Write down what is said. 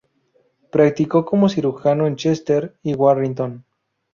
Practicó como cirujano en Chester y Warrington.